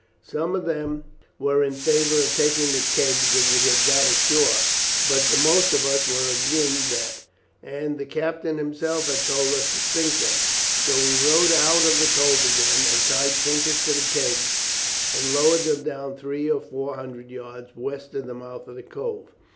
Some of them were in favour of taking the kegs that we had got ashore, but the most of us were agin that, and the captain himself had told us to sink them, so we rowed out of the cove again and tied sinkers to the kegs and lowered them down three or four hundred yards west of the mouth of the cove.